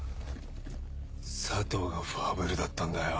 佐藤がファブルだったんだよ。